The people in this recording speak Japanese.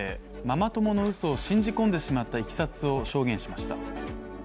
ママ友のうそを信じ込んでしまったいきさつを証言しました。